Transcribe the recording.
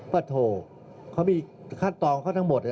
พระโทษเขามีคัตตองของเขาทั้งหมด